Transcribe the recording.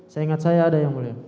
saya ingat saya ada yang boleh